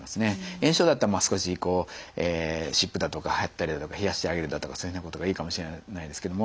炎症だったら少しこう湿布だとか貼ったりだとか冷やしてあげるだとかそういうようなことがいいかもしれないですけれども。